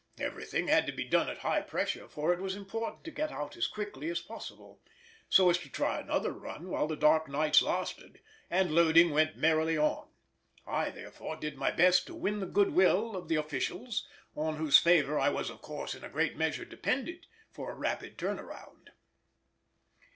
Everything had to be done at high pressure, for it was important to get out as quickly as possible, so as to try another run while the dark nights lasted, and loading went merrily on. I therefore did my best to win the goodwill of the officials, on whose favour I was of course in a great measure dependent for a rapid turn round.